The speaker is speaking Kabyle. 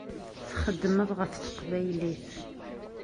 Txeddmeḍ ɣef teqbaylit.